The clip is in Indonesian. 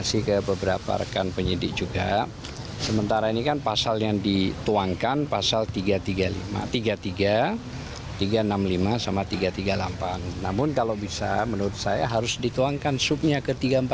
sekalipun ini adalah korbannya secara acak